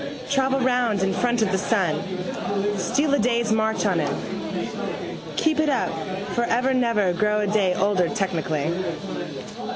Travel round in front of the sun, steal a day's march on him. Keep it up for ever never grow a day older technically.